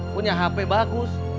punya hape bagus